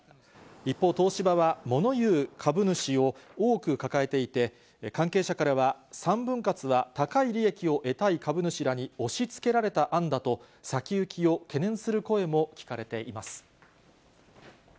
一方、東芝はもの言う株主を多く抱えていて、関係者からは、３分割は高い利益を得たい株主らに押しつけられた案だと、先行きを懸念する声も聞かれています。